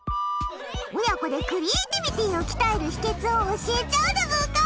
親子でクリエーティビティを鍛える秘訣を教えちゃうでブーカ。